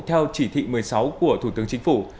theo chỉ thị một mươi sáu của thủ tướng chính phủ